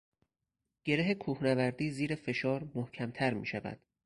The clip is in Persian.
گره کوهنوردی زیر فشار، محکمتر میشود